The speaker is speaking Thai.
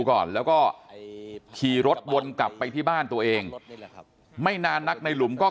ก่อนแล้วก็ขี่รถวนกลับไปที่บ้านตัวเองไม่นานนักในหลุมก็